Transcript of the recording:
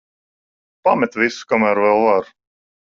Pamet visu, kamēr vēl var.